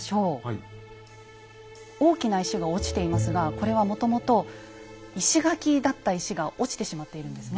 大きな石が落ちていますがこれはもともと石垣だった石が落ちてしまっているんですね。